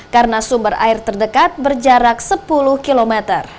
karena sumber air terdekat berjarak sepuluh km